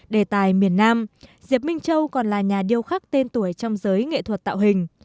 đề tài miền nam diệp minh châu còn là nhà điêu khắc tên tuổi trong giới nghệ thuật tạo hình